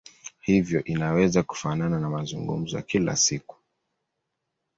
Hivyo inaweza kufanana na mazungumzo ya kila siku.